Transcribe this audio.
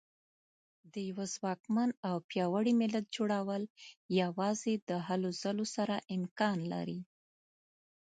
د یوه ځواکمن او پیاوړي ملت جوړول یوازې د هلو ځلو سره امکان لري.